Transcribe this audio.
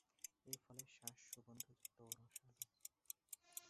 এই ফলের শাঁস সুগন্ধযুক্ত ও রসালো।